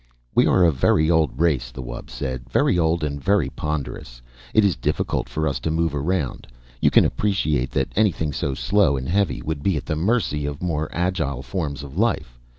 "We are a very old race," the wub said. "Very old and very ponderous. It is difficult for us to move around. You can appreciate that anything so slow and heavy would be at the mercy of more agile forms of life.